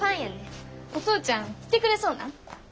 お父ちゃん来てくれそうなん？